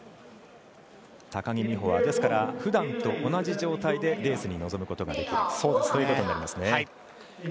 高木美帆はふだんと同じ状態でレースに臨むことができるということになりますね。